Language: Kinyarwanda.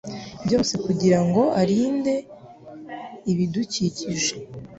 byose kugirango arinde ibidukikije